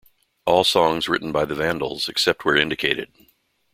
All songs written by The Vandals except where indicated.